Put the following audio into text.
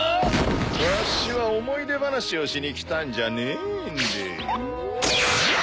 わしは思い出話をしに来たんじゃねえんで。